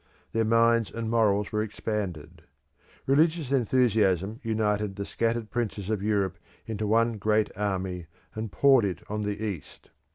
Their minds and morals were expanded. Religious enthusiasm united the scattered princes of Europe into one great army, and poured it on the East.